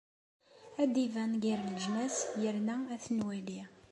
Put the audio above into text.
Ad d-iban gar leǧnas yerna ad t-nwali.